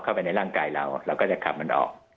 เข้าไปในร่างกายเราเราก็จะขับมันออก